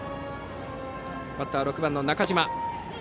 バッター、６番の中島。